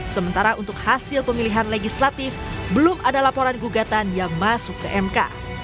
sementara untuk hasil pemilihan legislatif belum ada laporan gugatan yang masuk ke mk